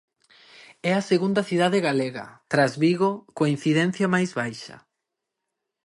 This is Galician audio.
E a segunda cidade galega, tras Vigo, coa incidencia máis baixa.